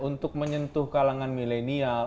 untuk menyentuh kalangan milenial